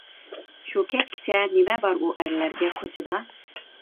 شۇ كەچكىچە نېمە بار ئۇ ئەرلەرگە كوچىدا؟